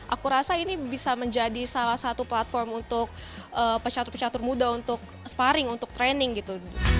aku rasa ini bisa menjadi salah satu platform untuk pecatur pecatur muda untuk sparring untuk training gitu